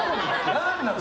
何なの？